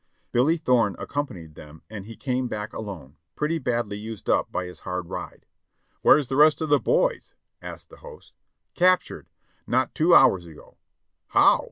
Billy Thorne accompanied them and he came back alone, pretty badly used up by his hard ride. "Where's the rest of the boys?" asked the host. "Captured ! not two hours ago." "How?"